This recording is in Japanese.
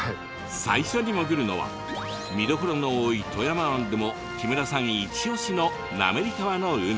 最初に潜るのは見どころの多い富山湾でも木村さんいち押しの滑川の海。